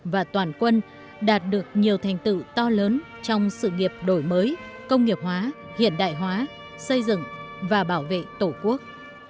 và toàn quân đạt được nhiều thành tựu to lớn trong sự nghiệp đổi mới công nghiệp hóa hiện đại hóa xây dựng và bảo vệ tổ quốc